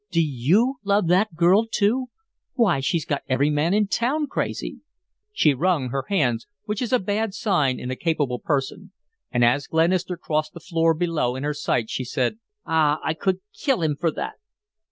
"Do YOU love that girl, too? Why, she's got every man in town crazy." She wrung her hands, which is a bad sign in a capable person, and as Glenister crossed the floor below in her sight she said, "Ah h I could kill him for that!"